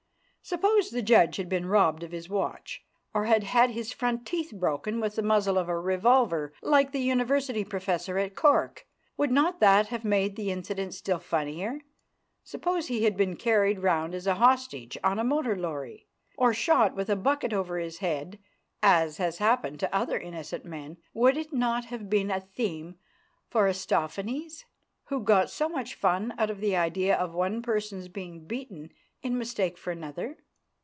Suppose the judge had been robbed of his watch, or had had his front teeth broken with the muzzle of a revolver like the University Professor at Cork, would not that have made the incident still funnier? Suppose he had been carried round as a hostage on a motor lorry, or shot with a bucket over his head, as has happened to other innocent men, would it not have been a theme for Aristophanes, who got so much fun out of the idea of one person's being beaten in mistake for another?